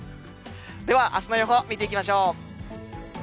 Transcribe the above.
では、あすの予報、見ていきましょう。